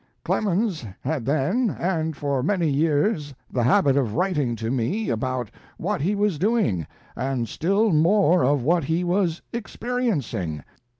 ["Clemens had then and for many years the habit of writing to me about what he was doing, and still more of what he was experiencing.